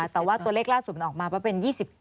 แต่ว่าตัวเลขล่าสุดมันออกมาว่าเป็น๒๙